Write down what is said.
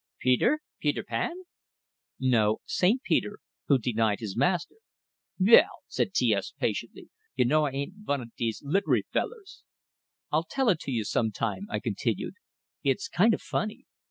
"Peter? Peter Pan?" "No; St. Peter, who denied his master." "Vell," said T S, patiently, "you know, I ain't vun o' dese litry fellers." "I'll tell it to you some time," I continued. "It's kind of funny.